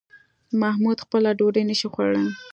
محمود خپله ډوډۍ نشي خوړلی